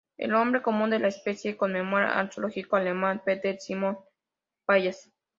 El nombre común de la especie conmemora al zoólogo alemán Peter Simon Pallas.